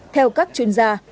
theo các chuyên gia